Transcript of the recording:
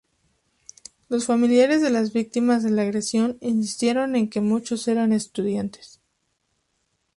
Los familiares de las víctimas de la agresión insistieron en que muchos eran estudiantes.